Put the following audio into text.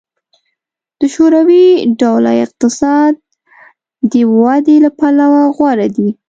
د شوروي ډوله اقتصاد د ودې له پلوه غوره دی